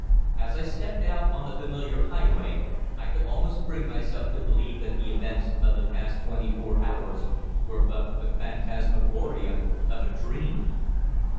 As I stepped out on the familiar highway, I could almost bring myself to believe that the events of the past twenty four hours were but the phantasmagoria of a dream.